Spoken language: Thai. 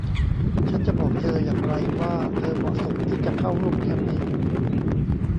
ฉันจะบอกเธออย่างไรว่าเธอเหมาะสมที่จะเข้าร่วมแคมป์นี้ ?